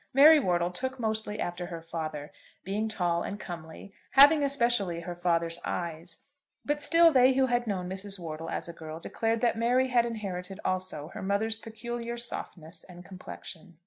Mary Wortle took mostly after her father, being tall and comely, having especially her father's eyes; but still they who had known Mrs. Wortle as a girl declared that Mary had inherited also her mother's peculiar softness and complexion.